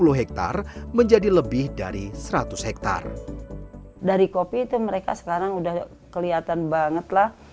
dua puluh hektare menjadi lebih dari seratus hektare dari kopi itu mereka sekarang udah kelihatan bangetlah